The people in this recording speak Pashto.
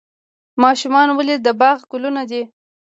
ماشومان ولې د باغ ګلونه دي؟